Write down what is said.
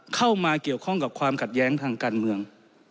เข้ามาเกี่ยวข้องกับความขัดแย้งทางการเมือง